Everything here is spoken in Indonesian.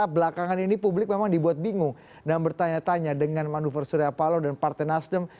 belakangan ini publik memang dibuat bingung dan bertanya tanya dengan manuver surya paloh dan partai nasdem